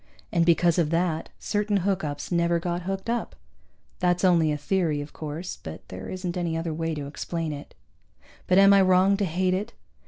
And because of that, certain hookups never got hooked up. That's only a theory, of course, but there isn't any other way to explain it. But am I wrong to hate it?